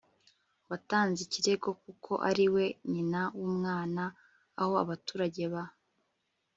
watanze ikirego kuko ari we nyina w'umwana. aho abaturage ba